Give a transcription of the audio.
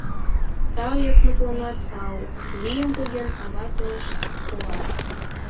— Тау, йокматланат тау, — вийым поген, ава пелешткала.